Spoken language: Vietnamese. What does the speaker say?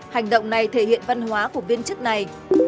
hành động này thể hiện văn hóa của viên chức này